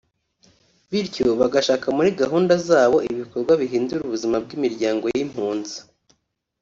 bityo bagashaka muri gahunda zabo ibikorwa bihindura ubuzima bw’imiryango y’impunzi